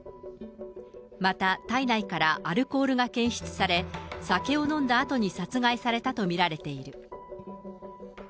また、体内からアルコールが検出され、酒を飲んだあとに殺害されたと見られている。